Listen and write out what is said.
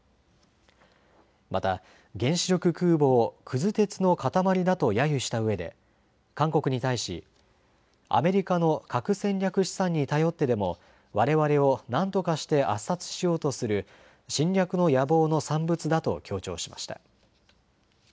また原子力空母をくず鉄の塊だとやゆしたうえで韓国に対しアメリカの核戦略資産に頼ってでもわれわれをなんとかして圧殺しようとする侵略の野望の産物だと強調しました。